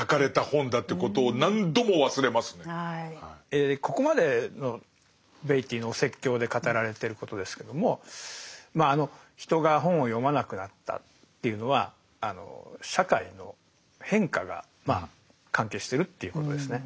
えここまでのベイティーのお説教で語られてることですけどもまああの人が本を読まなくなったっていうのは社会の変化がまあ関係してるっていうことですね。